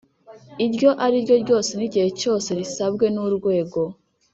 iryo ari ryo ryose n igihe cyose risabwe n Urwego